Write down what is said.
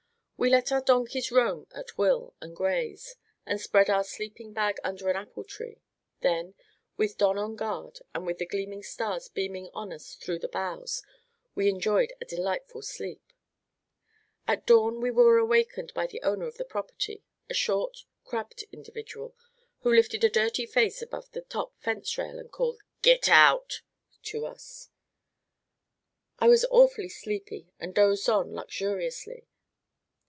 We let our donkeys roam at will and graze, and spread our sleeping bag under an apple tree; then, with Don on guard and with the gleaming stars beaming on us through the boughs, we enjoyed a delightful sleep. At dawn we were awakened by the owner of the property, a short, crabbed individual, who lifted a dirty face above the top fence rail and called, "Git out," to us. I was awfully sleepy and dozed on luxuriously.